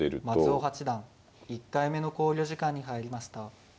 松尾八段１回目の考慮時間に入りました。